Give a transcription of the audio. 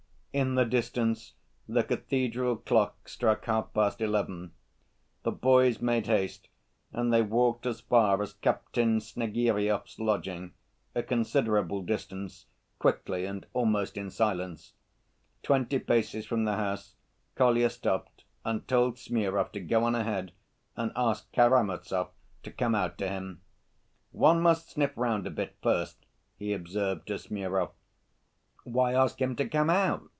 In the distance the cathedral clock struck half‐past eleven. The boys made haste and they walked as far as Captain Snegiryov's lodging, a considerable distance, quickly and almost in silence. Twenty paces from the house Kolya stopped and told Smurov to go on ahead and ask Karamazov to come out to him. "One must sniff round a bit first," he observed to Smurov. "Why ask him to come out?"